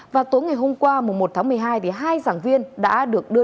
và tối ngày hôm qua một tháng một mươi hai hai giảng viên đã được đưa